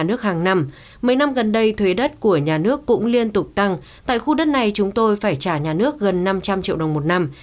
nhà nước cũng liên tục tăng tại khu đất này chúng tôi phải trả nhà nước gần năm trăm linh triệu đồng một năm